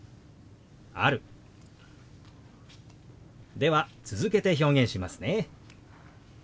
では続けて表現しますね。